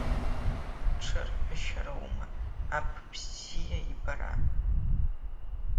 Ҽырҩашьароума аб бзиа ибара?